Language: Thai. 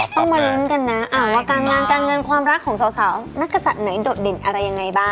ต้องมาลุ้นกันนะว่าการงานการเงินความรักของสาวนักศัตริย์ไหนโดดเด่นอะไรยังไงบ้าง